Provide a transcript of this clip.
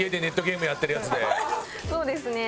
そうですね